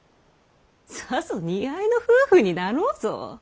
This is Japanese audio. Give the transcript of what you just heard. さぞ似合いの夫婦になろうぞ！